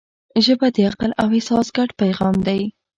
ژبه د عقل او احساس ګډ پیغام دی